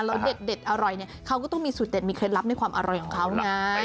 แล้วเด็ดอร่อยเนี่ยเขาก็ต้องมีสูตเด็ดมีเคล็ดลับในความอร่อยของเขาไง